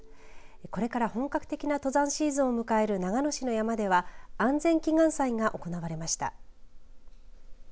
これから本格的な登山シーズンを迎える長野市の山では安全祈願祭が行われました。